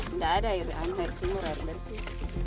enggak ada air sumur air bersih